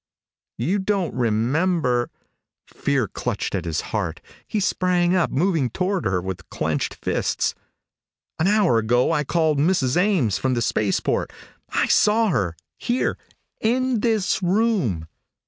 "You don't remember " Fear clutched at his heart. He sprang up, moving toward her with clenched fists. "An hour ago I called Mrs. Ames from the spaceport. I saw her. Here in this room."